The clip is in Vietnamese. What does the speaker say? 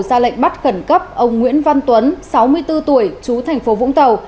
ra lệnh bắt khẩn cấp ông nguyễn văn tuấn sáu mươi bốn tuổi chú tp vũng tàu